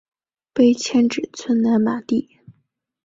碑迁址村南马地。